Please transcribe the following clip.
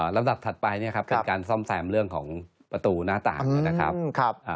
ลำดับถัดไปการซ่อมแซมเรื่องของประตูหน้าต่างนะครับ